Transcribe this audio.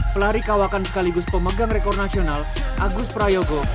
pelari kawakan sekaligus pemegang rekor nasional agus prayogo